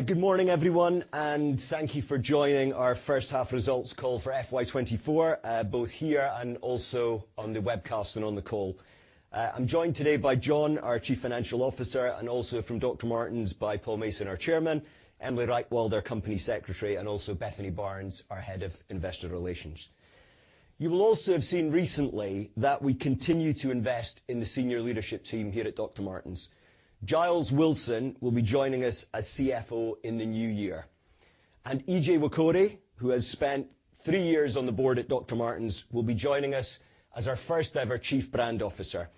Good morning, everyone, and thank you for joining our first half results call for FY 2024, both here and also on the webcast and on the call. I'm joined today by Jon, our Chief Financial Officer, and also from Dr. Martens by Paul Mason, our Chairman, Emily Reichwald, our Company Secretary, and also Bethany Barnes, our Head of Investor Relations. You will also have seen recently that we continue to invest in the senior leadership team here at Dr. Martens. Giles Wilson will be joining us as CFO in the new year, and Ije Nwokorie, who has spent three years on the board at Dr. Martens, will be joining us as our first-ever Chief Brand Officer.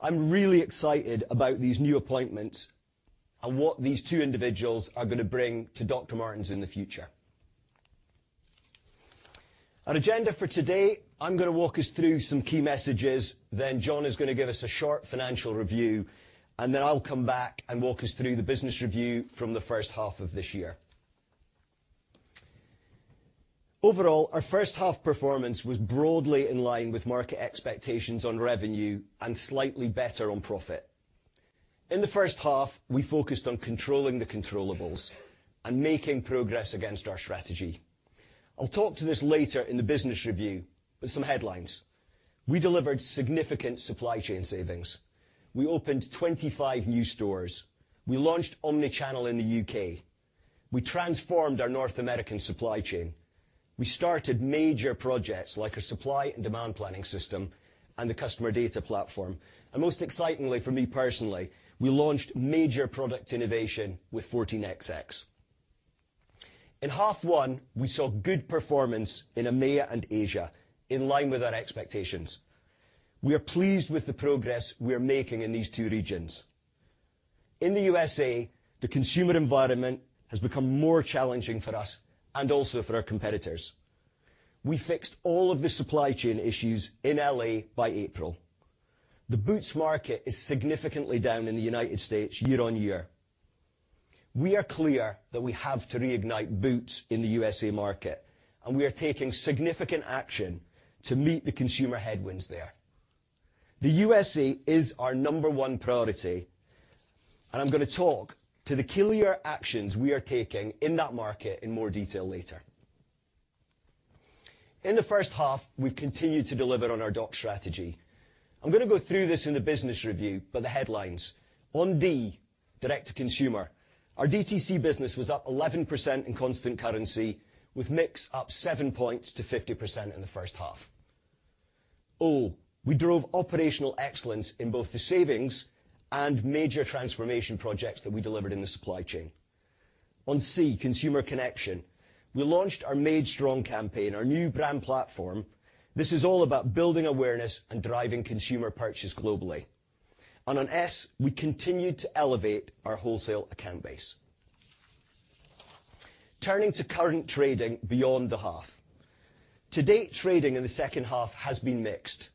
I'm really excited about these new appointments and what these two individuals are gonna bring to Dr. Martens in the future. Our agenda for today, I'm gonna walk us through some key messages. Then Jon is gonna give us a short financial review, and then I'll come back and walk us through the business review from the first half of this year. Overall, our first half performance was broadly in line with market expectations on revenue and slightly better on profit. In the first half, we focused on controlling the controllables and making progress against our strategy. I'll talk to this later in the business review, but some headlines. We delivered significant supply chain savings. We opened 25 new stores. We launched omni-channel in the U.K. We transformed our North American supply chain. We started major projects like our supply and demand planning system and the customer data platform, and most excitingly, for me personally, we launched major product innovation with 14XX. In half one, we saw good performance in EMEA and Asia, in line with our expectations. We are pleased with the progress we are making in these two regions. In the U.S.A., the consumer environment has become more challenging for us and also for our competitors. We fixed all of the supply chain issues in L.A. by April. The boots market is significantly down in the United States year-on-year. We are clear that we have to reignite boots in the U.S.A. market, and we are taking significant action to meet the consumer headwinds there. The U.S.A. is our number one priority, and I'm gonna talk to the clear actions we are taking in that market in more detail later. In the first half, we've continued to deliver on our DOCS strategy. I'm gonna go through this in the business review, but the headlines. On D, direct-to-consumer, our DTC business was up 11% in constant currency, with mix up seven points to 50% in the first half. O, we drove operational excellence in both the savings and major transformation projects that we delivered in the supply chain. On C, consumer connection, we launched our Made Strong campaign, our new brand platform. This is all about building awareness and driving consumer purchase globally. On S, we continued to elevate our wholesale account base. Turning to current trading beyond the half. To date, trading in the second half has been mixed.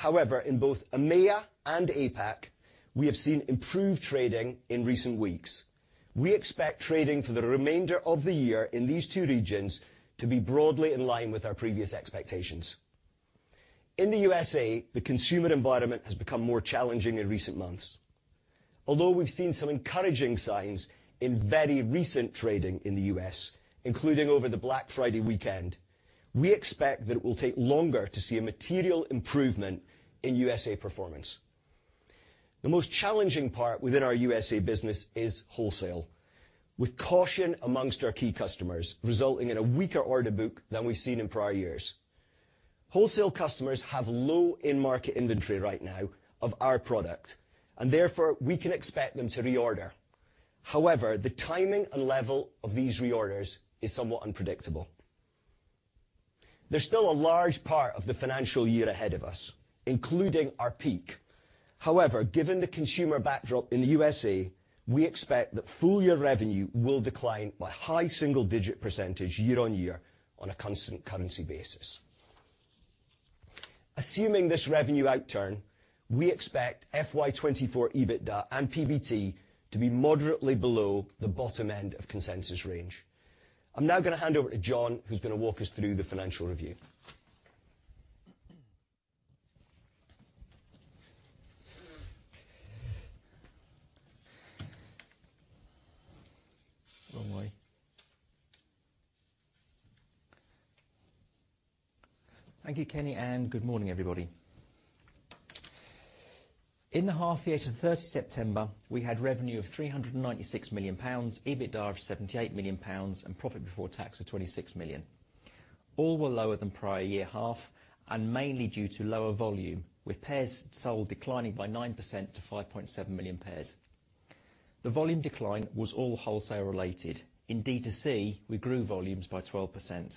However, in both EMEA and APAC, we have seen improved trading in recent weeks. We expect trading for the remainder of the year in these two regions to be broadly in line with our previous expectations. In the U.S.A., the consumer environment has become more challenging in recent months. Although we've seen some encouraging signs in very recent trading in the U.S., including over the Black Friday weekend, we expect that it will take longer to see a material improvement in U.S.A. performance. The most challenging part within our U.S.A. business is wholesale, with caution among our key customers, resulting in a weaker order book than we've seen in prior years. Wholesale customers have low in-market inventory right now of our product, and therefore, we can expect them to reorder. However, the timing and level of these reorders is somewhat unpredictable. There's still a large part of the financial year ahead of us, including our peak. However, given the consumer backdrop in the U.S.A., we expect that full year revenue will decline by high single digit percentage year-on-year on a constant currency basis. Assuming this revenue outturn, we expect FY 2024 EBITDA and PBT to be moderately below the bottom end of consensus range. I'm now gonna hand over to Jon, who's gonna walk us through the financial review. Thank you, Kenny, and good morning, everybody. In the half year to 30th September, we had revenue of 396 million pounds, EBITDA of 78 million pounds, and profit before tax of 26 million. All were lower than prior year half and mainly due to lower volume, with pairs sold declining by 9% to 5.7 million pairs. The volume decline was all wholesale related. In DTC, we grew volumes by 12%.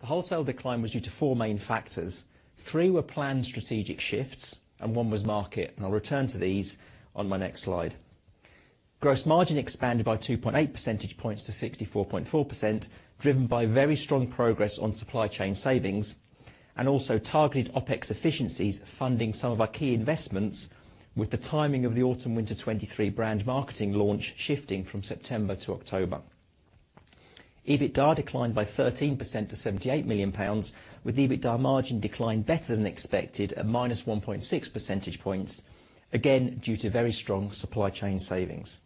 The wholesale decline was due to four main factors. Three were planned strategic shifts and one was market, and I'll return to these on my next slide. Gross margin expanded by 2.8% points to 64.4%, driven by very strong progress on supply chain savings and also targeted OpEx efficiencies, funding some of our key investments with the timing of the autumn/winter 2023 brand marketing launch shifting from September to October. EBITDA declined by 13% to 78 million pounds, with EBITDA margin decline better than expected at -1.6% points, again, due to very strong supply chain savings.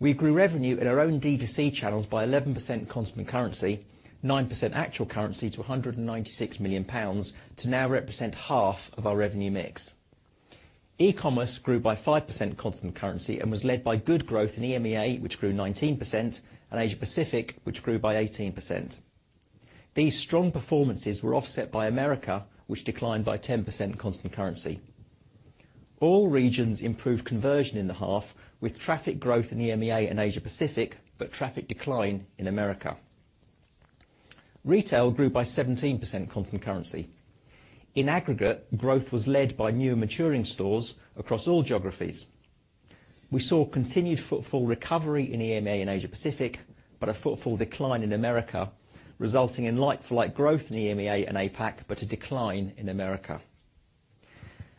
We grew revenue in our own D2C channels by 11% constant currency, 9% actual currency to 196 million pounds, to now represent half of our revenue mix. E-commerce grew by 5% constant currency and was led by good growth in EMEA, which grew 19%, and Asia Pacific, which grew by 18%. These strong performances were offset by America, which declined by 10% constant currency. All regions improved conversion in the half, with traffic growth in EMEA and Asia Pacific, but traffic decline in America. Retail grew by 17% constant currency. In aggregate, growth was led by new and maturing stores across all geographies. We saw continued footfall recovery in EMEA and Asia Pacific, but a footfall decline in America, resulting in like-for-like growth in EMEA and APAC, but a decline in America.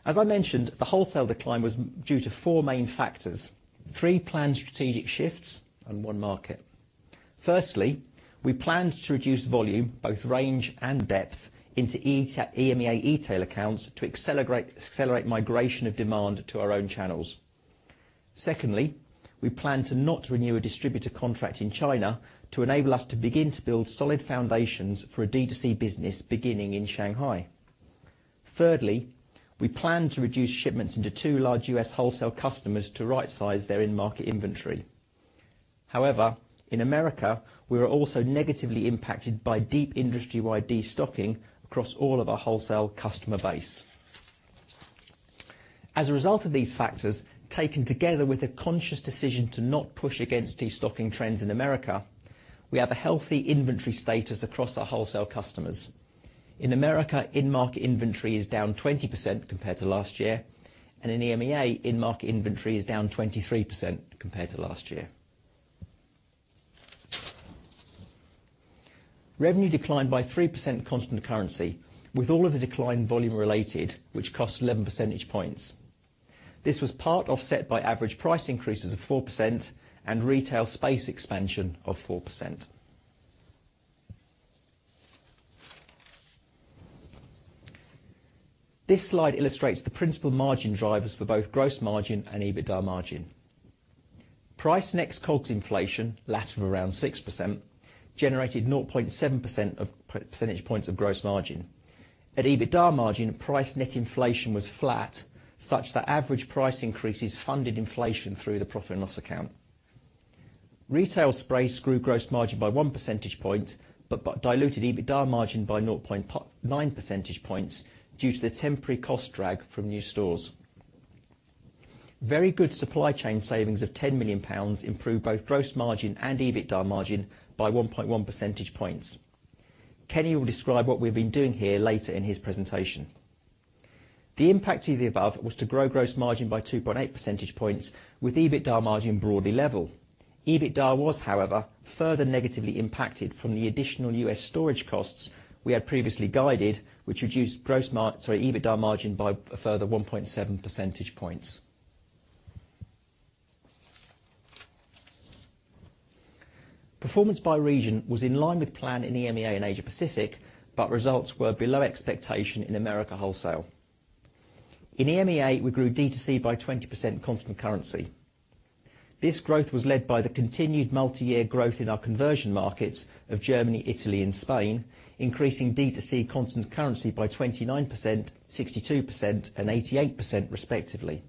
As I mentioned, the wholesale decline was due to four main factors: three planned strategic shifts and one market. Firstly, we planned to reduce volume, both range and depth, into EMEA etail accounts to accelerate migration of demand to our own channels. Secondly, we plan to not renew a distributor contract in China to enable us to begin to build solid foundations for a D2C business, beginning in Shanghai. Thirdly, we plan to reduce shipments into two large U.S. wholesale customers to rightsize their in-market inventory. However, in America, we were also negatively impacted by deep industry-wide destocking across all of our wholesale customer base. As a result of these factors, taken together with a conscious decision to not push against destocking trends in America, we have a healthy inventory status across our wholesale customers. In America, in-market inventory is down 20% compared to last year, and in EMEA, in-market inventory is down 23% compared to last year. Revenue declined by 3% constant currency, with all of the decline volume related, which cost eleven percentage points. This was part offset by average price increases of 4% and retail space expansion of 4%. This slide illustrates the principal margin drivers for both gross margin and EBITDA margin. Price net COGS inflation, the latter of around 6%, generated 0.7 percentage points of gross margin. At EBITDA margin, price net inflation was flat, such that average price increases funded inflation through the profit and loss account. Retail space grew gross margin by one percentage point, but diluted EBITDA margin by 0.9 percentage points due to the temporary cost drag from new stores. Very good supply chain savings of 10 million pounds improved both gross margin and EBITDA margin by 1.1 percentage points. Kenny will describe what we've been doing here later in his presentation. The impact of the above was to grow gross margin by 2.8 percentage points, with EBITDA margin broadly level. EBITDA was, however, further negatively impacted from the additional US storage costs we had previously guided, which reduced, sorry, EBITDA margin by a further 1.7 percentage points. Performance by region was in line with plan in EMEA and Asia Pacific, but results were below expectation in America wholesale. In EMEA, we grew D2C by 20% constant currency. This growth was led by the continued multiyear growth in our conversion markets of Germany, Italy and Spain, increasing D2C constant currency by 29%, 62% and 88% respectively.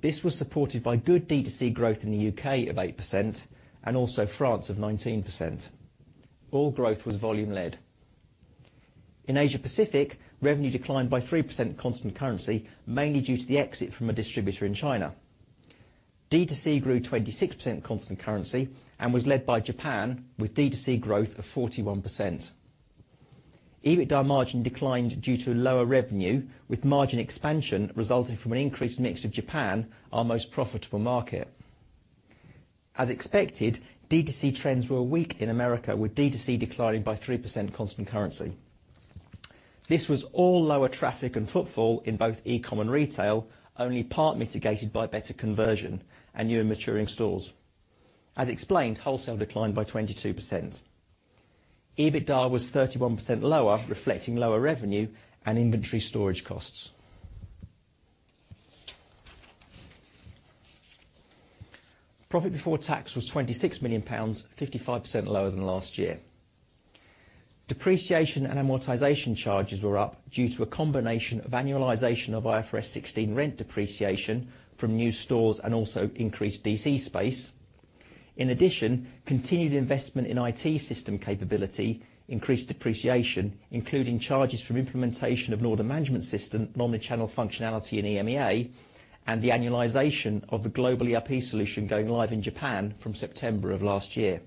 This was supported by good D2C growth in the UK of 8% and also France of 19%. All growth was volume led. In Asia Pacific, revenue declined by 3% constant currency, mainly due to the exit from a distributor in China. D2C grew 26% constant currency and was led by Japan, with D2C growth of 41%. EBITDA margin declined due to lower revenue, with margin expansion resulting from an increased mix of Japan, our most profitable market. As expected, D2C trends were weak in America, with D2C declining by 3% constant currency. This was all lower traffic and footfall in both e-com and retail, only part mitigated by better conversion and new and maturing stores. As explained, wholesale declined by 22%. EBITDA was 31% lower, reflecting lower revenue and inventory storage costs. Profit before tax was 26 million pounds, 55% lower than last year. Depreciation and amortization charges were up due to a combination of annualization of IFRS 16 rent depreciation from new stores and also increased DC space. In addition, continued investment in IT system capability increased depreciation, including charges from implementation of an order management system, omni-channel functionality in EMEA, and the annualization of the global ERP solution going live in Japan from September of last year.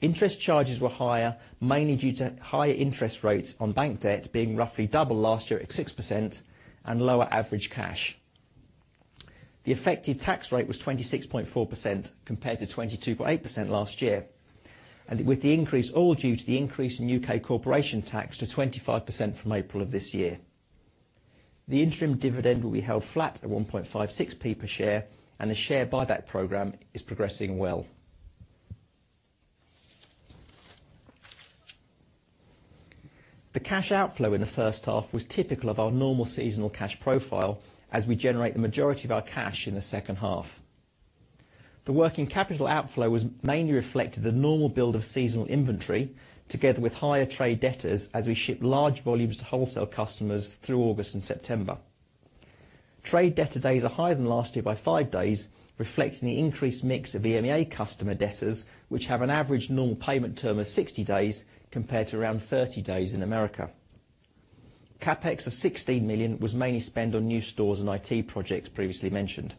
Interest charges were higher, mainly due to higher interest rates on bank debt being roughly double last year at 6% and lower average cash. The effective tax rate was 26.4%, compared to 22.8% last year, and with the increase, all due to the increase in U.K. corporation tax to 25% from April of this year. The interim dividend will be held flat at 1.56p per share, and the share buyback program is progressing well. The cash outflow in the first half was typical of our normal seasonal cash profile as we generate the majority of our cash in the second half. The working capital outflow was mainly reflected the normal build of seasonal inventory, together with higher trade debtors, as we ship large volumes to wholesale customers through August and September. Trade debtor days are higher than last year by five days, reflecting the increased mix of EMEA customer debtors, which have an average normal payment term of 60 days, compared to around 30 days in America. CapEx of 16 million was mainly spent on new stores and IT projects previously mentioned.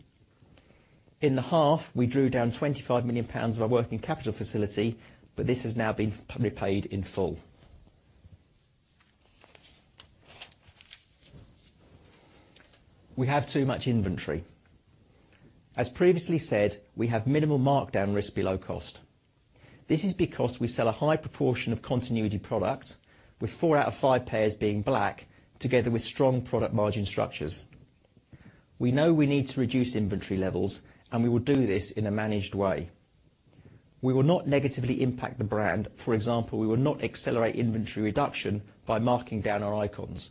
In the half, we drew down 25 million pounds of our working capital facility, but this has now been fully paid in full. We have too much inventory. As previously said, we have minimal markdown risk below cost. This is because we sell a high proportion of continuity product, with four out of five pairs being black, together with strong product margin structures. We know we need to reduce inventory levels, and we will do this in a managed way. We will not negatively impact the brand. For example, we will not accelerate inventory reduction by marking down our icons.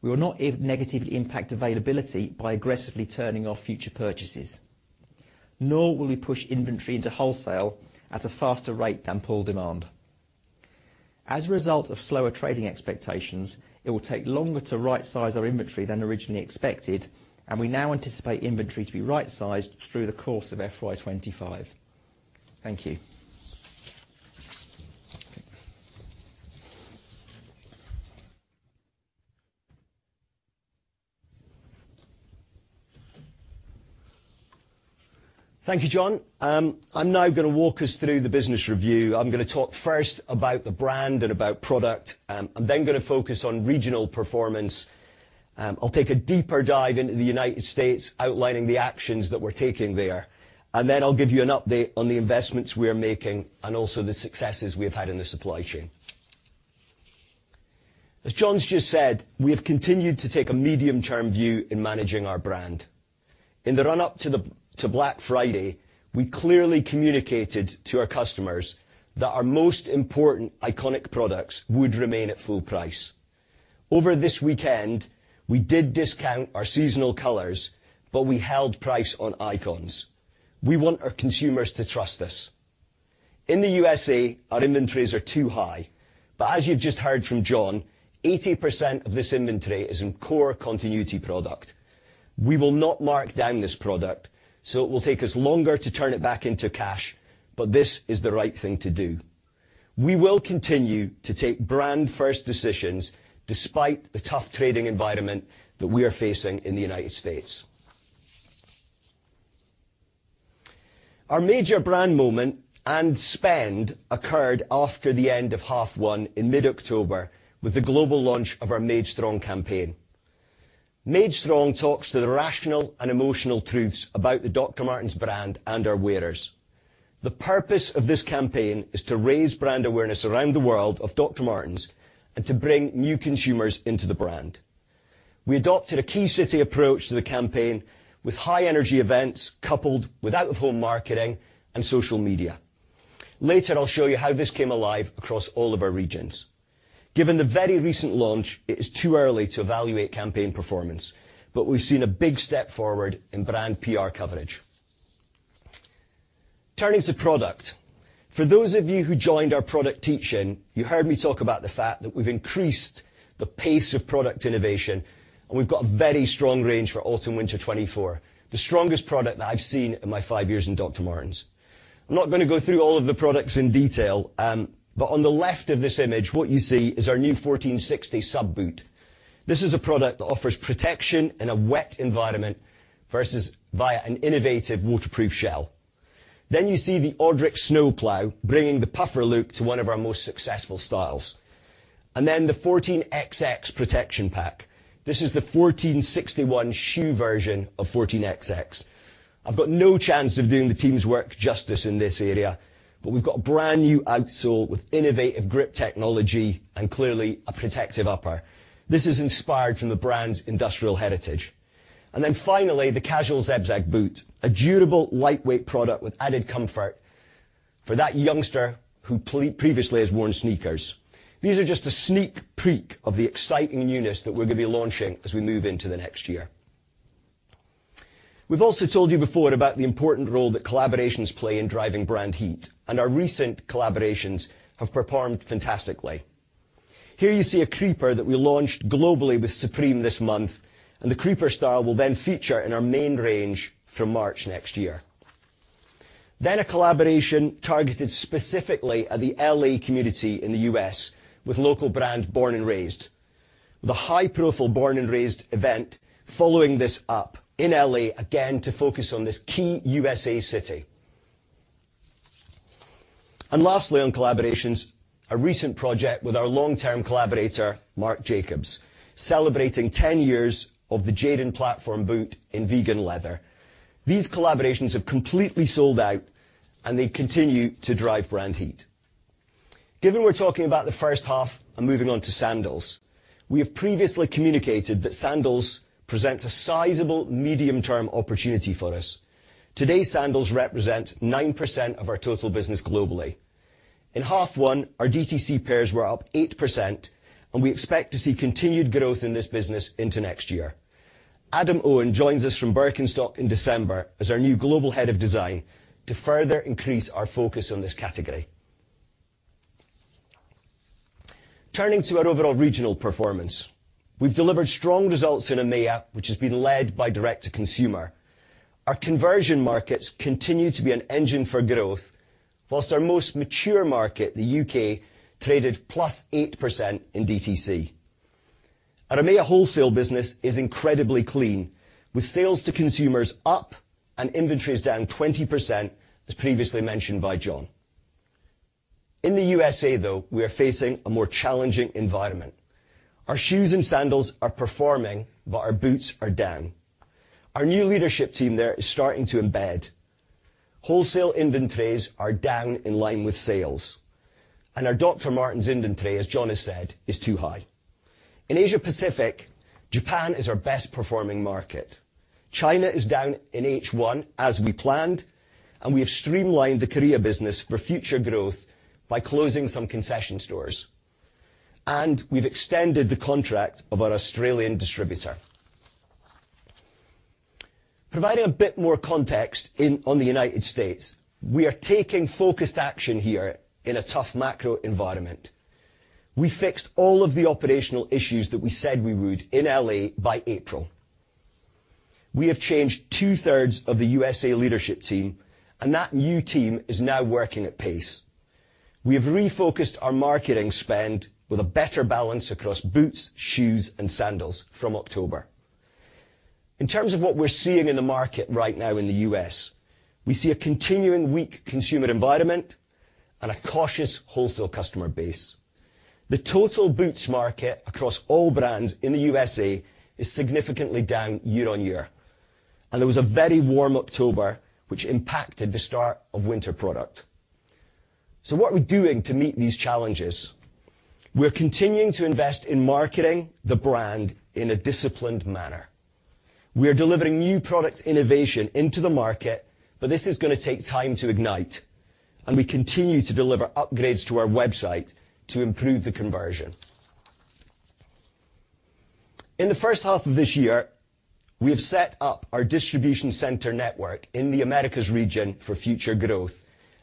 We will not negatively impact availability by aggressively turning off future purchases, nor will we push inventory into wholesale at a faster rate than pull demand. As a result of slower trading expectations, it will take longer to rightsize our inventory than originally expected, and we now anticipate inventory to be rightsized through the course of FY 2025. Thank you. Thank you, Jon. I'm now gonna walk us through the business review. I'm gonna talk first about the brand and about product. I'm then gonna focus on regional performance. I'll take a deeper dive into the United States, outlining the actions that we're taking there, and then I'll give you an update on the investments we are making and also the successes we've had in the supply chain. As Jon's just said, we have continued to take a medium-term view in managing our brand. In the run-up to the, to Black Friday, we clearly communicated to our customers that our most important iconic products would remain at full price. Over this weekend, we did discount our seasonal colors, but we held price on icons. We want our consumers to trust us. In the USA, our inventories are too high, but as you've just heard from Jon, 80% of this inventory is in core continuity product. We will not mark down this product, so it will take us longer to turn it back into cash, but this is the right thing to do. We will continue to take brand-first decisions despite the tough trading environment that we are facing in the United States. Our major brand moment and spend occurred after the end of half one in mid-October with the global launch of our Made Strong campaign. Made Strong talks to the rational and emotional truths about the Dr. Martens brand and our wearers. The purpose of this campaign is to raise brand awareness around the world of Dr. Martens and to bring new consumers into the brand. We adopted a key city approach to the campaign, with high-energy events coupled with out-of-home marketing and social media. Later, I'll show you how this came alive across all of our regions. Given the very recent launch, it is too early to evaluate campaign performance, but we've seen a big step forward in brand PR coverage. Turning to product, for those of you who joined our product teach-in, you heard me talk about the fact that we've increased the pace of product innovation, and we've got a very strong range for autumn/winter 2024, the strongest product that I've seen in my five years in Dr. Martens. I'm not gonna go through all of the products in detail, but on the left of this image, what you see is our new 1460 Sub boot. This is a product that offers protection in a wet environment versus via an innovative waterproof shell. Then you see the Audrick Snowplow, bringing the puffer look to one of our most successful styles. And then the 14XX Protection Pack. This is the 1461 shoe version of 14XX. I've got no chance of doing the team's work justice in this area, but we've got a brand-new outsole with innovative grip technology and clearly a protective upper. This is inspired from the brand's industrial heritage. And then finally, the casual Zebzag boot, a durable, lightweight product with added comfort for that youngster who previously has worn sneakers. These are just a sneak peek of the exciting newness that we're gonna be launching as we move into the next year. We've also told you before about the important role that collaborations play in driving brand heat, and our recent collaborations have performed fantastically. Here you see a creeper that we launched globally with Supreme this month, and the creeper style will then feature in our main range from March next year. Then a collaboration targeted specifically at the L.A. community in the U.S. with local brand, Born x Raised. The high-profile Born x Raised event following this up in L.A., again, to focus on this key U.S.A. city. And lastly, on collaborations, a recent project with our long-term collaborator, Marc Jacobs, celebrating ten years of the Jadon platform boot in vegan leather. These collaborations have completely sold out, and they continue to drive brand heat. Given we're talking about the first half and moving on to sandals, we have previously communicated that sandals presents a sizable medium-term opportunity for us. Today, sandals represent 9% of our total business globally. In half one, our DTC pairs were up 8%, and we expect to see continued growth in this business into next year. Adrian Cohen joins us from Birkenstock in December as our new Global Head of Design, to further increase our focus on this category. Turning to our overall regional performance, we've delivered strong results in EMEA, which has been led by direct-to-consumer. Our conversion markets continue to be an engine for growth, while our most mature market, the U.K., traded +8% in DTC. Our EMEA wholesale business is incredibly clean, with sales to consumers up and inventories down 20%, as previously mentioned by Jon. In the U.S.A., though, we are facing a more challenging environment. Our shoes and sandals are performing, but our boots are down. Our new leadership team there is starting to embed. Wholesale inventories are down in line with sales, and our Dr. Martens inventory, as Jon has said, is too high. In Asia Pacific, Japan is our best performing market. China is down in H1, as we planned, and we have streamlined the China business for future growth by closing some concession stores. We've extended the contract of our Australian .distributor. Providing a bit more context on the United States, we are taking focused action here in a tough macro environment. We fixed all of the operational issues that we said we would in L.A. by April. We have changed 2/3 of the U.S.A. leadership team, and that new team is now working at pace. We have refocused our marketing spend with a better balance across boots, shoes, and sandals from October. In terms of what we're seeing in the market right now in the U.S., we see a continuing weak consumer environment and a cautious wholesale customer base. The total boots market across all brands in the U.S.A. is significantly down year-over-year, and there was a very warm October, which impacted the start of winter product. So what are we doing to meet these challenges? We're continuing to invest in marketing the brand in a disciplined manner. We are delivering new product innovation into the market, but this is gonna take time to ignite, and we continue to deliver upgrades to our website to improve the conversion. In the first half of this year, we have set up our distribution center network in the Americas region for future growth,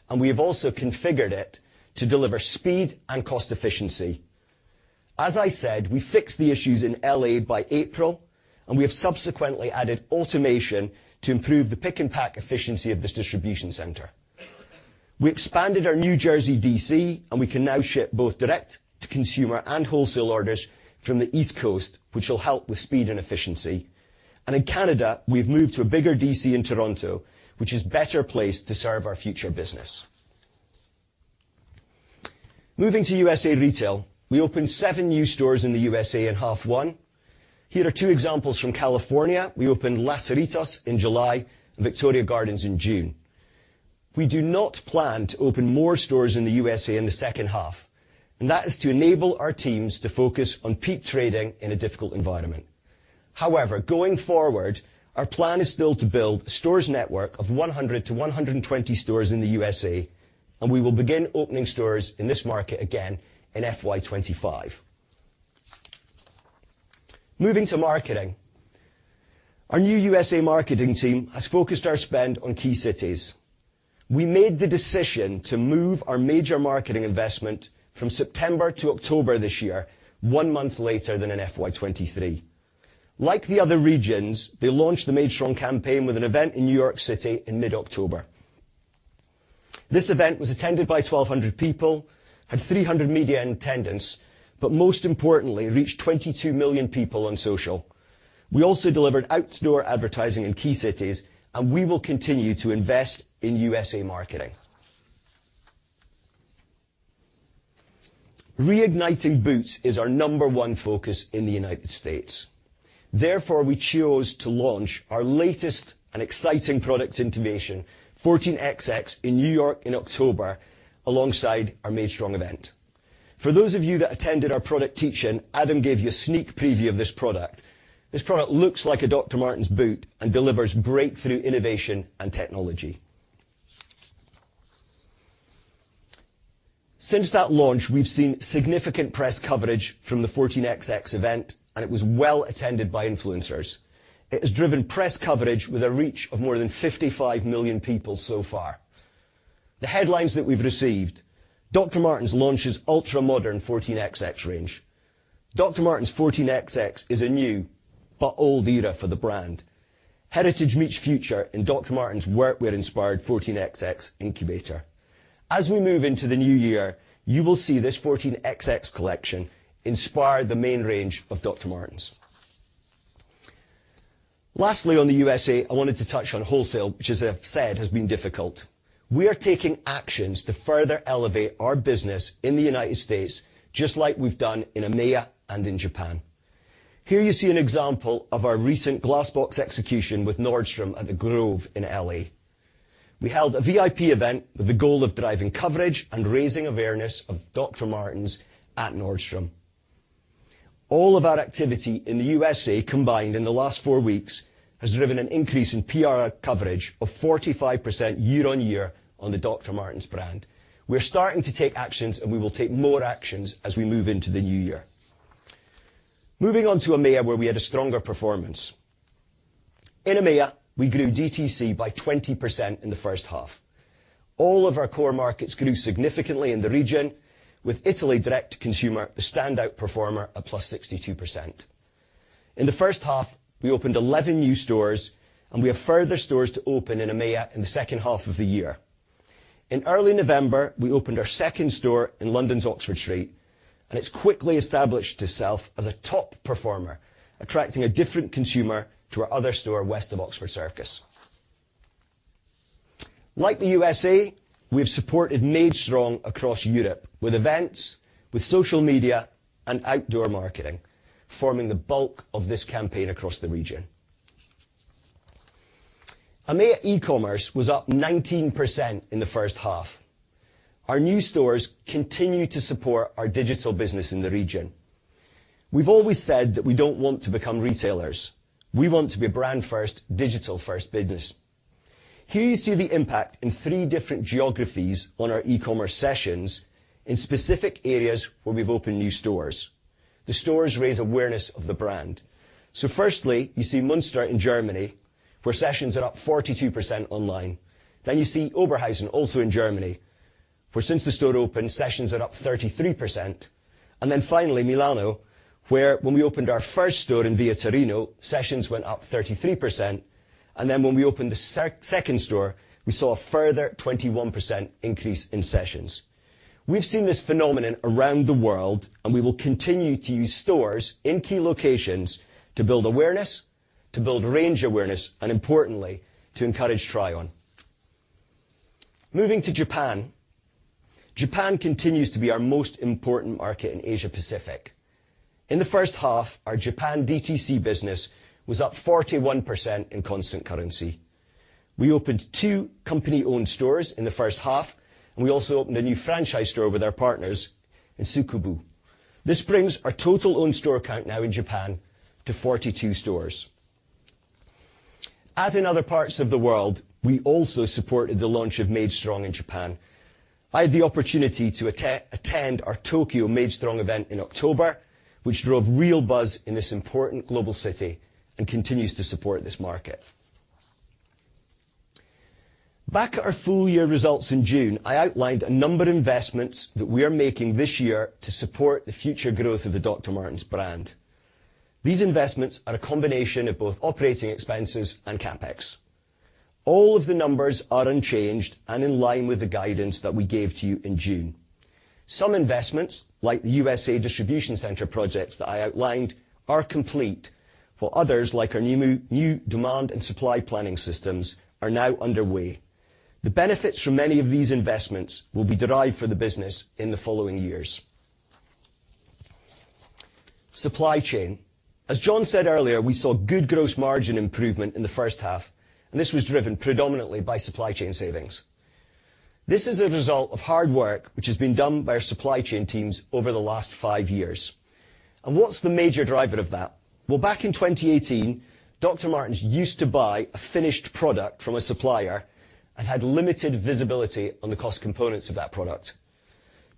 and we have also configured it to deliver speed and cost efficiency. As I said, we fixed the issues in L.A. by April, and we have subsequently added automation to improve the pick-and-pack efficiency of this distribution center. We expanded our New Jersey DC, and we can now ship both direct to consumer and wholesale orders from the East Coast, which will help with speed and efficiency. And in Canada, we've moved to a bigger DC in Toronto, which is better placed to serve our future business. Moving to USA Retail, we opened seven new stores in the U.S.A. in half one. Here are two examples from California. We opened Los Cerritos in July and Victoria Gardens in June. We do not plan to open more stores in the U.S.A. in the second half, and that is to enable our teams to focus on peak trading in a difficult environment. However, going forward, our plan is still to build stores network of 100-120 stores in the USA, and we will begin opening stores in this market again in FY2025. Moving to marketing. Our new U.S.A. marketing team has focused our spend on key cities. We made the decision to move our major marketing investment from September to October this year, one month later than in FY2023. Like the other regions, they launched the Made Strong campaign with an event in New York City in mid-October. This event was attended by 1,200 people, had 300 media in attendance, but most importantly, reached 22 million people on social. We also delivered outdoor advertising in key cities, and we will continue to invest in U.S.A. marketing. Reigniting boots is our number one focus in the United States. Therefore, we chose to launch our latest and exciting product innovation, 14XX, in New York in October, alongside our Made Strong event. For those of you that attended our product teach-in, Adam gave you a sneak preview of this product. This product looks like a Dr. Martens boot and delivers breakthrough innovation and technology. Since that launch, we've seen significant press coverage from the 14XX event, and it was well attended by influencers. It has driven press coverage with a reach of more than 55 million people so far. The headlines that we've received: Dr. Martens launches ultra-modern 14XX range. Dr. Martens 14XX is a new but old era for the brand. Heritage meets future in Dr. Martens' work wear-inspired 14XX incubator. As we move into the new year, you will see this 14XX collection inspire the main range of Dr. Martens. Lastly, on the U.S.A., I wanted to touch on wholesale, which, as I've said, has been difficult. We are taking actions to further elevate our business in the United States, just like we've done in EMEA and in Japan. Here you see an example of our recent glass box execution with Nordstrom at The Grove in L.A. We held a VIP event with the goal of driving coverage and raising awareness of Dr. Martens at Nordstrom. All of our activity in the U.S.A., combined in the last four weeks, has driven an increase in PR coverage of 45% year-on-year on the Dr. Martens brand. We're starting to take actions, and we will take more actions as we move into the new year. Moving on to EMEA, where we had a stronger performance. In EMEA, we grew DTC by 20% in the first half. All of our core markets grew significantly in the region, with Italy direct-to-consumer, the standout performer at +62%. In the first half, we opened 11 new stores, and we have further stores to open in EMEA in the second half of the year. In early November, we opened our second store in London's Oxford Street, and it's quickly established itself as a top performer, attracting a different consumer to our other store west of Oxford Circus. Like the U.S.A., we've supported Made Strong across Europe with events, with social media, and outdoor marketing, forming the bulk of this campaign across the region. EMEA E-commerce was up 19% in the first half. Our new stores continue to support our digital business in the region. We've always said that we don't want to become retailers. We want to be a brand first, digital first business. Here you see the impact in three different geographies on our e-commerce sessions in specific areas where we've opened new stores. The stores raise awareness of the brand. So firstly, you see Münster in Germany, where sessions are up 42% online. Then you see Oberhausen, also in Germany, where since the store opened, sessions are up 33%. And then finally, Milan, where when we opened our first store in Via Torino, sessions went up 33%, and then when we opened the second store, we saw a further 21% increase in sessions. We've seen this phenomenon around the world, and we will continue to use stores in key locations to build awareness, to build range awareness, and importantly, to encourage try-on. Moving to Japan. Japan continues to be our most important market in Asia Pacific. In the first half, our Japan DTC business was up 41% in constant currency. We opened two company-owned stores in the first half, and we also opened a new franchise store with our partners in Tsukuba. This brings our total owned store count now in Japan to 42 stores. As in other parts of the world, we also supported the launch of Made Strong in Japan. I had the opportunity to attend our Tokyo Made Strong event in October, which drove real buzz in this important global city and continues to support this market. Back at our full year results in June, I outlined a number of investments that we are making this year to support the future growth of the Dr. Martens brand. These investments are a combination of both operating expenses and CapEx. All of the numbers are unchanged and in line with the guidance that we gave to you in June. Some investments, like the U.S.A. distribution center projects that I outlined, are complete, while others, like our new demand and supply planning systems, are now underway. The benefits from many of these investments will be derived for the business in the following years. Supply chain. As Jon said earlier, we saw good gross margin improvement in the first half, and this was driven predominantly by supply chain savings. This is a result of hard work, which has been done by our supply chain teams over the last five years. And what's the major driver of that? Well, back in 2018, Dr. Martens used to buy a finished product from a supplier and had limited visibility on the cost components of that product.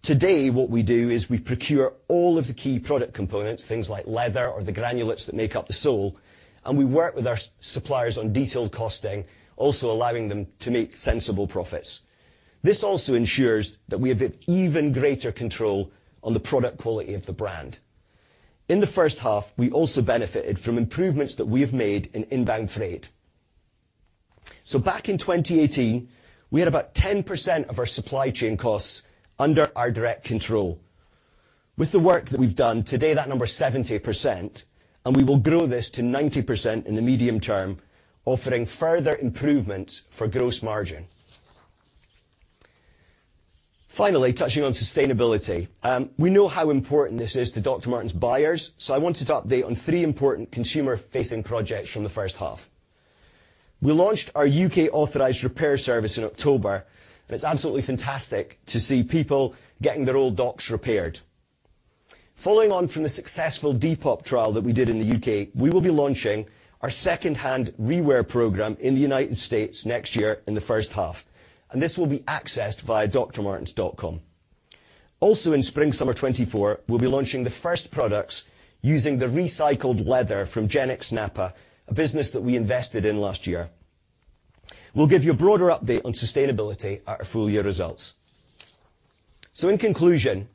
Today, what we do is we procure all of the key product components, things like leather or the granulates that make up the sole, and we work with our suppliers on detailed costing, also allowing them to make sensible profits. This also ensures that we have an even greater control on the product quality of the brand. In the first half, we also benefited from improvements that we have made in inbound freight. So back in 2018, we had about 10% of our supply chain costs under our direct control. With the work that we've done, today, that number is 70%, and we will grow this to 90% in the medium term, offering further improvements for gross margin. Finally, touching on sustainability. We know how important this is to Dr. Martens. Martens' buyers, so I wanted to update on three important consumer-facing projects from the first half. We launched our U.K. authorized repair service in October, and it's absolutely fantastic to see people getting their old Docs repaired. Following on from the successful Depop trial that we did in the U.K., we will be launching our second-hand ReWair program in the United States next year in the first half, and this will be accessed via drmartens.com. Also, in spring/summer 2024, we'll be launching the first products using the recycled leather from Genix Nappa, a business that we invested in last year. We'll give you a broader update on sustainability at our full year results. So in conclusion,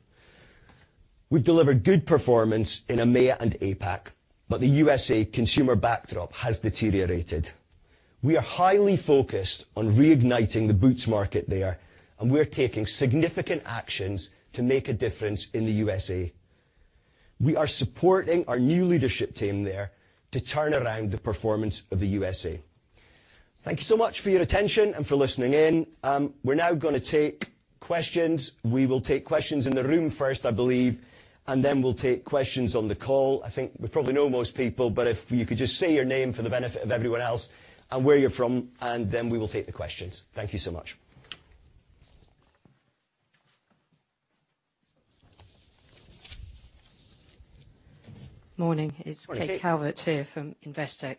we've delivered good performance in EMEA and APAC, but the U.S.A. consumer backdrop has deteriorated. We are highly focused on reigniting the boots market there, and we're taking significant actions to make a difference in the U.S.A. We are supporting our new leadership team there to turn around the performance of the U.S.A. Thank you so much for your attention and for listening in. We're now gonna take questions. We will take questions in the room first, I believe, and then we'll take questions on the call. I think we probably know most people, but if you could just say your name for the benefit of everyone else and where you're from, and then we will take the questions. Thank you so much. Morning. Morning. It's Kate Calvert here from Investec.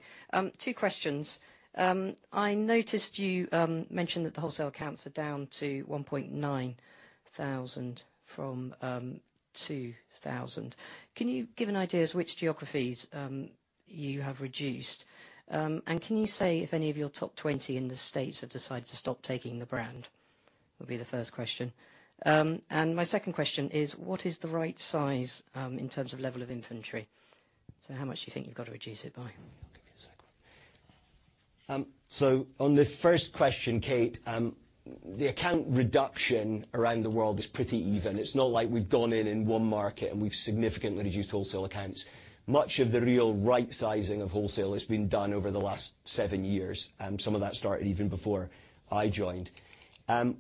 Two questions. I noticed you mentioned that the wholesale accounts are down to 1,900 from 2,000. Can you give an idea as which geographies you have reduced? And can you say if any of your top 20 in the States have decided to stop taking the brand? Would be the first question. And my second question is, what is the right size in terms of level of inventory? So how much do you think you've got to reduce it by? I'll give you a sec. So on the first question, Kate, the account reduction around the world is pretty even. It's not like we've gone in one market, and we've significantly reduced wholesale accounts. Much of the real right sizing of wholesale has been done over the last seven years, and some of that started even before I joined.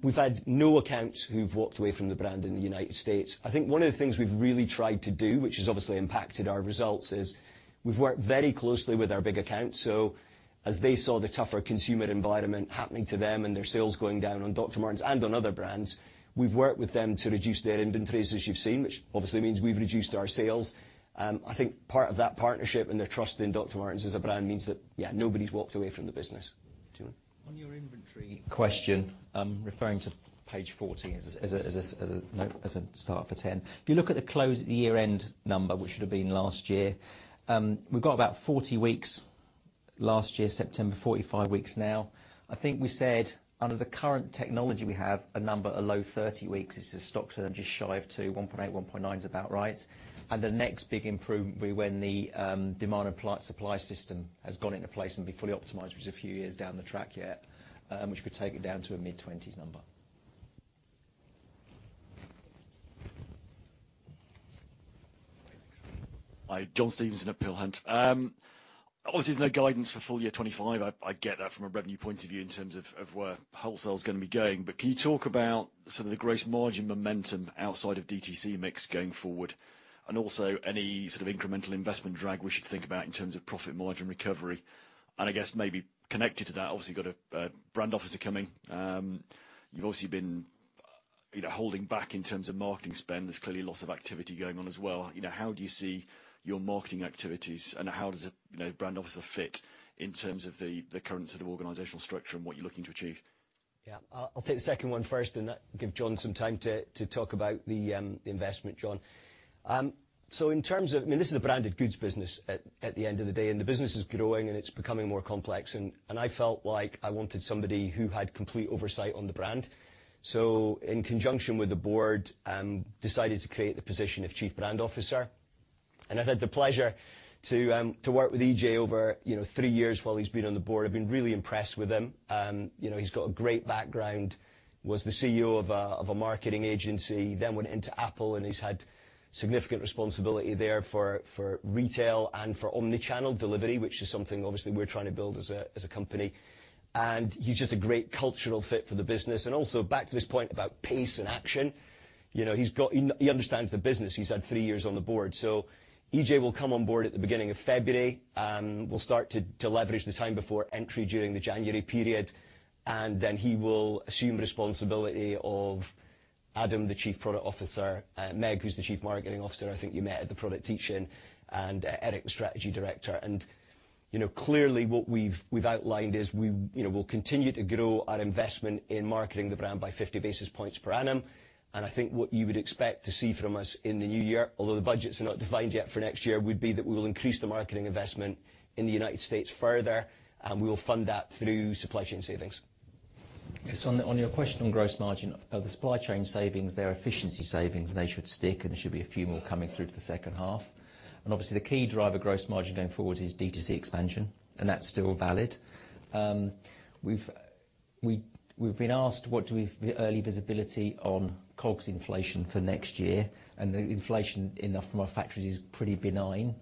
We've had no accounts who've walked away from the brand in the United States. I think one of the things we've really tried to do, which has obviously impacted our results, is we've worked very closely with our big accounts. So as they saw the tougher consumer environment happening to them and their sales going down on Dr. Martens and on other brands, we've worked with them to reduce their inventories, as you've seen, which obviously means we've reduced our sales. I think part of that partnership and their trust in Dr. Martens as a brand means that, yeah, nobody's walked away from the business. Jon? On your inventory question, referring to page 14 as a, you know, as a starter for ten. If you look at the close at the year-end number, which should have been last year, we've got about 40 weeks last year, September, 45 weeks now. I think we said under the current technology, we have a number, a low 30 weeks. This is stock turn just shy of two, 1.8, 1.9's about right. And the next big improvement will be when the demand and supply system has gone into place and be fully optimized, which is a few years down the track yet, which could take it down to a mid-20s number. Hi, Jon Stevenson at Peel Hunt. Obviously, there's no guidance for full year 2025. I get that from a revenue point of view in terms of where wholesale is gonna be going. But can you talk about some of the gross margin momentum outside of DTC mix going forward, and also any sort of incremental investment drag we should think about in terms of profit margin recovery? And I guess maybe connected to that, obviously, you've got a brand officer coming. You've obviously been, you know, holding back in terms of marketing spend. There's clearly a lot of activity going on as well. You know, how do you see your marketing activities, and how does a, you know, brand officer fit in terms of the current sort of organizational structure and what you're looking to achieve? Yeah. I'll take the second one first, and that give Jon some time to talk about the investment, Jon. So in terms of... I mean, this is a branded goods business at the end of the day, and the business is growing, and it's becoming more complex and I felt like I wanted somebody who had complete oversight on the brand. So in conjunction with the board, decided to create the position of Chief Brand Officer, and I've had the pleasure to work with EJ over, you know, three years while he's been on the board. I've been really impressed with him. You know, he's got a great background, was the CEO of a marketing agency, then went into Apple, and he's had significant responsibility there for retail and for omni-channel delivery, which is something obviously we're trying to build as a company. And he's just a great cultural fit for the business. And also back to this point about pace and action, you know, he understands the business. He's had three years on the board. So Ije will come on board at the beginning of February, we'll start to leverage the time before entry during the January period, and then he will assume responsibility of Adam, the Chief Product Officer, Meg, who's the Chief Marketing Officer, I think you met at the product teach-in, and Eric, the Strategy Director. You know, clearly what we've outlined is we, you know, we'll continue to grow our investment in marketing the brand by 50 basis points per annum. And I think what you would expect to see from us in the new year, although the budgets are not defined yet for next year, would be that we will increase the marketing investment in the United States further, and we will fund that through supply chain savings. Yes, on your question on gross margin, the supply chain savings, they are efficiency savings, and they should stick, and there should be a few more coming through to the second half. And obviously, the key driver gross margin going forward is DTC expansion, and that's still valid. We've been asked, what do we have early visibility on COGS inflation for next year? And the inflation from our factories is pretty benign,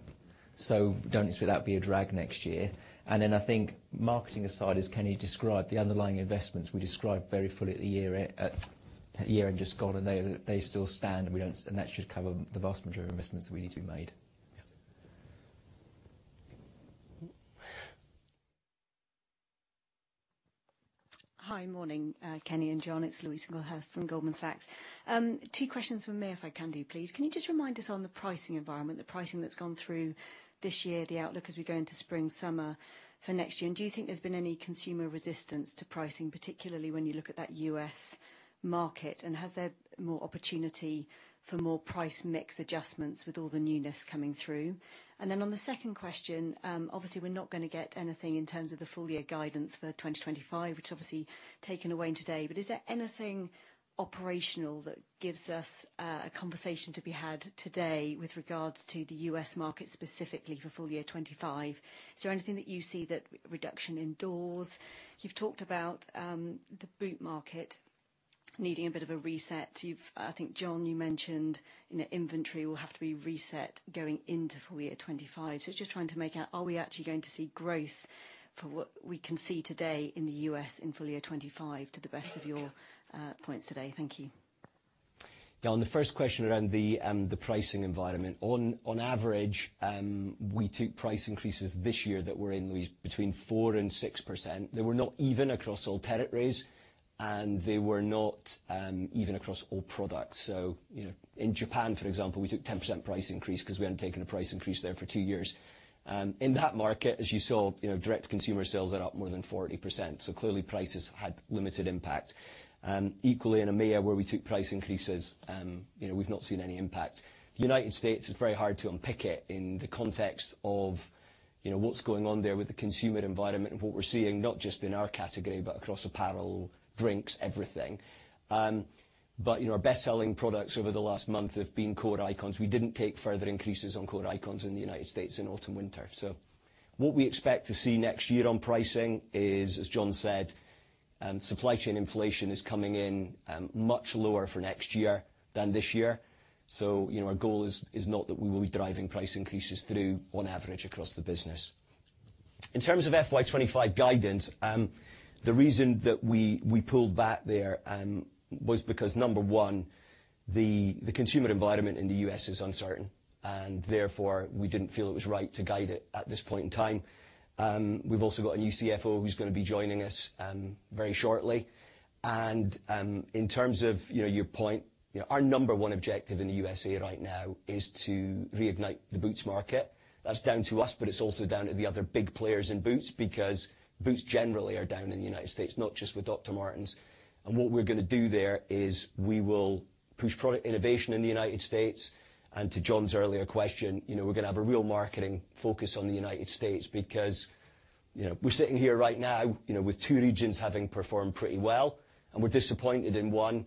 so don't expect that to be a drag next year. And then I think marketing aside is, can you describe the underlying investments we described very fully at the year just gone, and they still stand, and we don't—and that should cover the vast majority of investments that we need to be made. Yeah. Hi, morning, Kenny and Jon. It's Louise Singlehurst from Goldman Sachs. Two questions from me, if I can, please. Can you just remind us on the pricing environment, the pricing that's gone through this year, the outlook as we go into spring, summer for next year? And do you think there's been any consumer resistance to pricing, particularly when you look at that U.S. market, and has there more opportunity for more price mix adjustments with all the newness coming through? And then on the second question, obviously, we're not gonna get anything in terms of the full year guidance for 2025, which is obviously taken away today. But is there anything operational that gives us a conversation to be had today with regards to the U.S, market, specifically for full year 2025? Is there anything that you see that, reduction in doors? You've talked about the boot market needing a bit of a reset. You've, I think, Jon, you mentioned, you know, inventory will have to be reset going into full year 2025. So just trying to make out, are we actually going to see growth for what we can see today in the U.S. in full year 2025, to the best of your points today? Thank you. Yeah, on the first question around the pricing environment. On average, we took price increases this year that were in between 4% and 6%. They were not even across all territories, and they were not even across all products. So, you know, in Japan, for example, we took a 10% price increase because we hadn't taken a price increase there for two years. In that market, as you saw, you know, direct consumer sales are up more than 40%, so clearly price has had limited impact. Equally in EMEA, where we took price increases, you know, we've not seen any impact. United States, it's very hard to unpick it in the context of, you know, what's going on there with the consumer environment and what we're seeing, not just in our category, but across apparel, drinks, everything. But, you know, our best-selling products over the last month have been core icons. We didn't take further increases on core icons in the United States in autumn, winter. So what we expect to see next year on pricing is, as Jon said, supply chain inflation is coming in, much lower for next year than this year. So, you know, our goal is not that we will be driving price increases through on average across the business. In terms of FY 2025 guidance, the reason that we pulled back there was because, number one, the consumer environment in the U.S. is uncertain, and therefore, we didn't feel it was right to guide it at this point in time. We've also got a new CFO who's gonna be joining us, very shortly. In terms of, you know, your point, you know, our number one objective in the U.S.A. right now is to reignite the boots market. That's down to us, but it's also down to the other big players in boots, because boots generally are down in the United States, not just with Dr. Martens. What we're gonna do there is we will push product innovation in the United States. To Jon's earlier question, you know, we're gonna have a real marketing focus on the United States because, you know, we're sitting here right now, you know, with two regions having performed pretty well, and we're disappointed in one.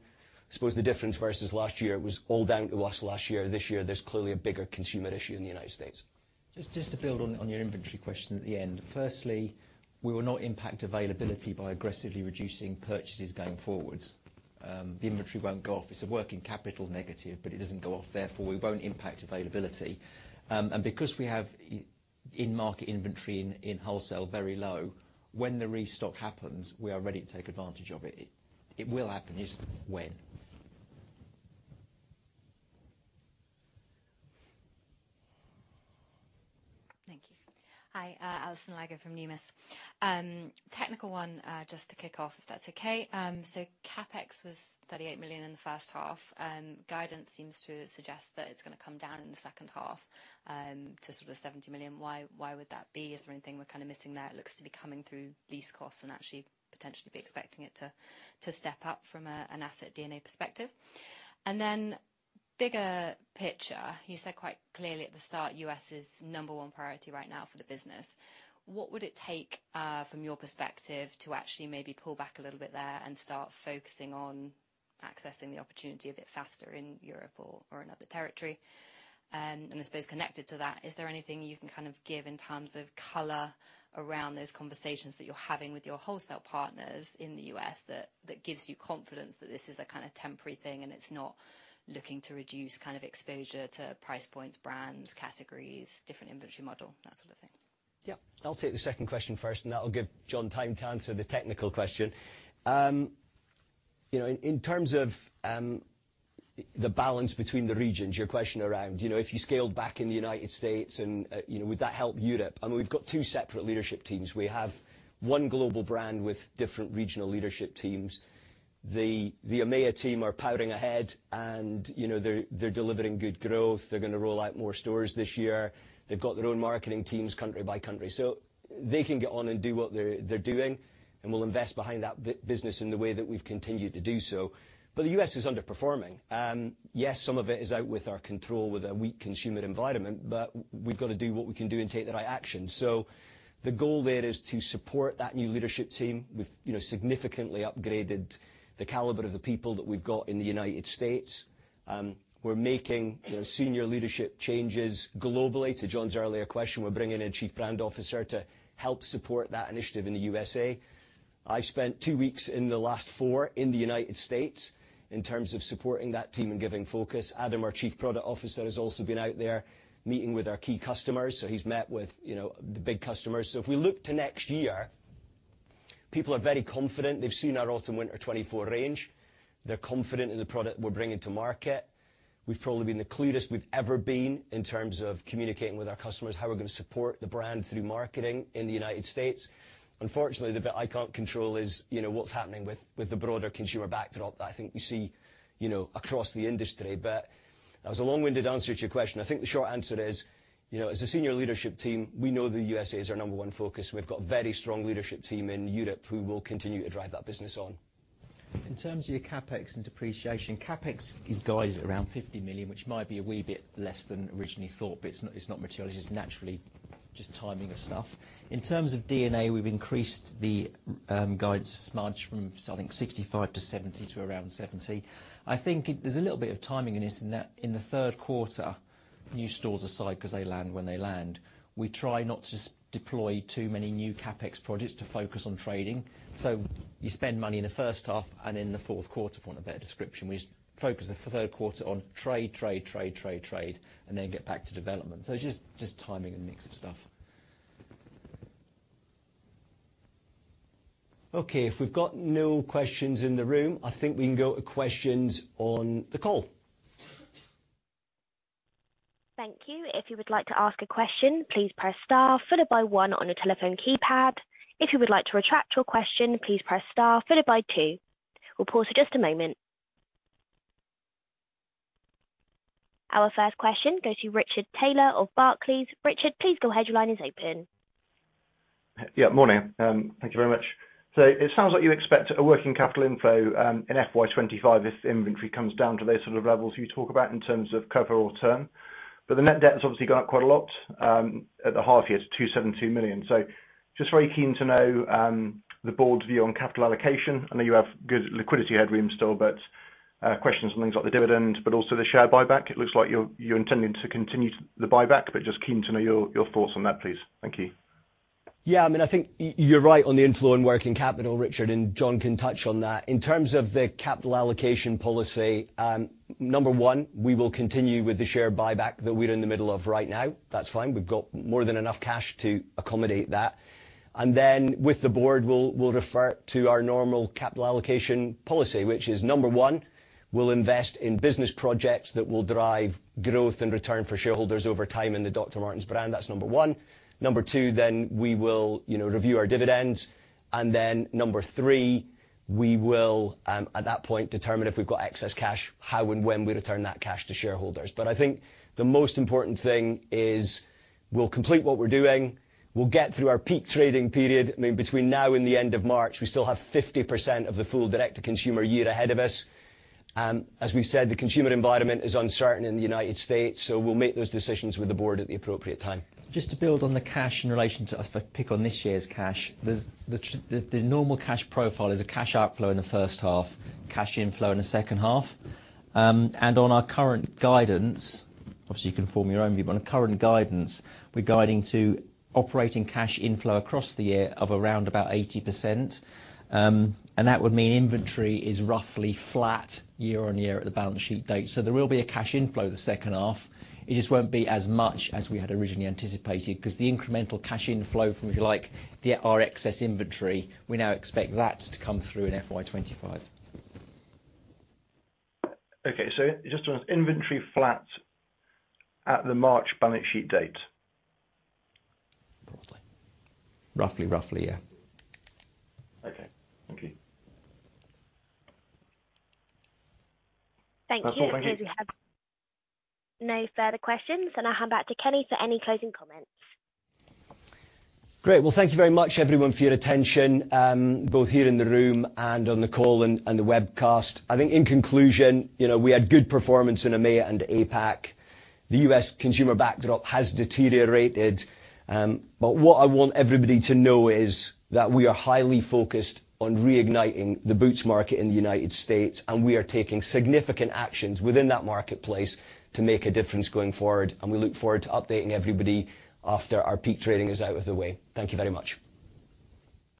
I suppose the difference versus last year, it was all down to us last year. This year, there's clearly a bigger consumer issue in the United States. Just to build on your inventory question at the end. Firstly, we will not impact availability by aggressively reducing purchases going forward. The inventory won't go off. It's a working capital negative, but it doesn't go off. Therefore, we won't impact availability. And because we have in-market inventory in wholesale, very low, when the restock happens, we are ready to take advantage of it. It will happen. It's when. Thank you. Hi, Alison Lager from Numis. Technical one, just to kick off, if that's okay. So CapEx was 38 million in the first half. Guidance seems to suggest that it's gonna come down in the second half, to sort of 70 million. Why, why would that be? Is there anything we're kind of missing there? It looks to be coming through these costs and actually potentially be expecting it to, to step up from, an asset DNA perspective. And then, bigger picture, you said quite clearly at the start, U.S. is number one priority right now for the business. What would it take, from your perspective, to actually maybe pull back a little bit there and start focusing on accessing the opportunity a bit faster in Europe or, or another territory? I suppose connected to that, is there anything you can kind of give in terms of color around those conversations that you're having with your wholesale partners in the U.S. that gives you confidence that this is a kind of temporary thing, and it's not looking to reduce kind of exposure to price points, brands, categories, different inventory model, that sort of thing? Yeah. I'll take the second question first, and that'll give Jon time to answer the technical question. You know, in terms of the balance between the regions, your question around, you know, if you scaled back in the United States and, you know, would that help Europe? I mean, we've got two separate leadership teams. We have one global brand with different regional leadership teams. The EMEA team are powering ahead, and, you know, they're delivering good growth. They're gonna roll out more stores this year. They've got their own marketing teams, country by country. So they can get on and do what they're doing, and we'll invest behind that business in the way that we've continued to do so. But the U.S. is underperforming. Yes, some of it is out with our control, with a weak consumer environment, but we've got to do what we can do and take the right action. So the goal there is to support that new leadership team. We've, you know, significantly upgraded the caliber of the people that we've got in the United States. We're making, you know, senior leadership changes globally. To Jon's earlier question, we're bringing in a Chief Brand Officer to help support that initiative in the U.S.A. I've spent two weeks in the last four in the United States in terms of supporting that team and giving focus. Adam, our Chief Product Officer, has also been out there, meeting with our key customers, so he's met with, you know, the big customers. So if we look to next year, people are very confident. They've seen our autumn/winter 2024 range. They're confident in the product we're bringing to market. We've probably been the clearest we've ever been in terms of communicating with our customers, how we're going to support the brand through marketing in the United States. Unfortunately, the bit I can't control is, you know, what's happening with, with the broader consumer backdrop that I think you see, you know, across the industry. But that was a long-winded answer to your question. I think the short answer is, you know, as a senior leadership team, we know the U.S.A. is our number one focus. We've got a very strong leadership team in Europe who will continue to drive that business on. In terms of your CapEx and depreciation, CapEx is guided around 50 million, which might be a wee bit less than originally thought, but it's not, it's not material. It's just timing of stuff. In terms of DNA, we've increased the guidance range from, I think, 65-70 to around 70. I think there's a little bit of timing in this, in that in the third quarter, new stores aside, 'cause they land when they land, we try not to deploy too many new CapEx projects to focus on trading. So you spend money in the first half and in the fourth quarter, for want of a better description. We just focus the third quarter on trade, trade, trade, trade, trade, and then get back to development. So it's just timing and mix of stuff. Okay, if we've got no questions in the room, I think we can go to questions on the call. Thank you. If you would like to ask a question, please press star followed by one on your telephone keypad. If you would like to retract your question, please press star followed by two. We'll pause for just a moment. Our first question goes to Richard Taylor of Barclays. Richard, please go ahead. Your line is open. Yeah, morning. Thank you very much. So it sounds like you expect a working capital inflow in FY 2025 if the inventory comes down to those sort of levels you talk about in terms of cover or term. But the net debt has obviously gone up quite a lot at the half year to 272 million. So just very keen to know the board's view on capital allocation. I know you have good liquidity headroom still, but questions on things like the dividend, but also the share buyback. It looks like you're, you're intending to continue the buyback, but just keen to know your, your thoughts on that, please. Thank you. Yeah, I mean, I think you're right on the inflow and working capital, Richard, and Jon can touch on that. In terms of the capital allocation policy, number one, we will continue with the share buyback that we're in the middle of right now. That's fine. We've got more than enough cash to accommodate that. And then, with the board, we'll refer to our normal capital allocation policy, which is, number one, we'll invest in business projects that will drive growth and return for shareholders over time in the Dr. Martens brand. That's number one. Number two, then we will, you know, review our dividends. And then, number three, we will, at that point, determine if we've got excess cash, how and when we return that cash to shareholders. But I think the most important thing is we'll complete what we're doing. We'll get through our peak trading period. I mean, between now and the end of March, we still have 50% of the full direct-to-consumer year ahead of us. As we've said, the consumer environment is uncertain in the United States, so we'll make those decisions with the board at the appropriate time. Just to build on the cash in relation to, if I pick on this year's cash, there's the normal cash profile is a cash outflow in the first half, cash inflow in the second half. And on our current guidance, obviously, you can form your own view, but on current guidance, we're guiding to operating cash inflow across the year of around about 80%. And that would mean inventory is roughly flat year-on-year at the balance sheet date. So there will be a cash inflow the second half. It just won't be as much as we had originally anticipated, 'cause the incremental cash inflow from, if you like, the, our excess inventory, we now expect that to come through in FY 2025. Okay, so just on inventory flat at the March balance sheet date? Roughly. Roughly, roughly, yeah. Okay. Thank you. Thank you. That's all, thank you. We have no further questions, and I'll hand back to Kenny for any closing comments. Great. Well, thank you very much, everyone, for your attention, both here in the room and on the call and, and the webcast. I think in conclusion, you know, we had good performance in EMEA and APAC. The U.S. consumer backdrop has deteriorated, but what I want everybody to know is that we are highly focused on reigniting the boots market in the United States, and we are taking significant actions within that marketplace to make a difference going forward. And we look forward to updating everybody after our peak trading is out of the way. Thank you very much.